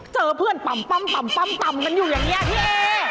เจอเพื่อนปัมกันอยู่อย่างนี้เหี้ย